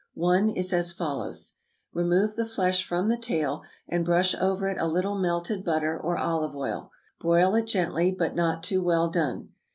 One is as follows: Remove the flesh from the tail, and brush over it a little melted butter or olive oil; broil it gently, but not too well done.